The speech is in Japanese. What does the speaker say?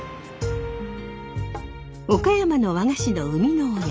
岡山の和菓子の生みの親